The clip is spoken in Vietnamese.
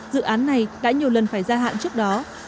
dự án này đã nhiều lần phải gia hạn trước đó